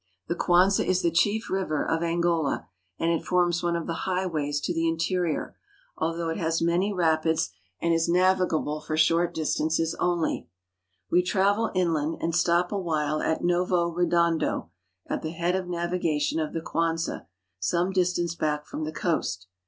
The Kuanza is the chief river of Angola, ^nd it forms one of the highways to the interior, although it has many ^F ANGOLA, OR PORTUGUESE WEST AFRICA 33 rapids and is navigable for short distances only. Wl travel inland, and stop awhiie at Novo Redondo, at the head of navigation of the Kuanza, some distance hack from the coast.